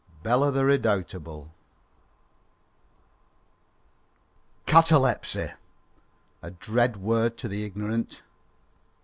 III BELA THE REDOUBTABLE CATALEPSY! A dread word to the ignorant.